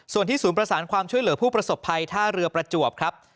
ส่วนที่ศูนย์ประสานความช่วยเหลือผู้ประสบภัยท่าเรือประจวบครับ